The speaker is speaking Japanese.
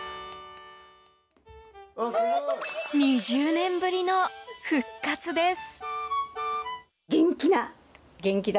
２０年ぶりの復活です。